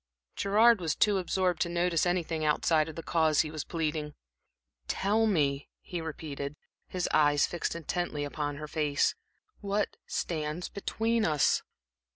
Gerard was too absorbed to notice anything outside of the cause he was pleading. "Tell me," he repeated, his eyes fixed intently upon her face, "what stands between us?"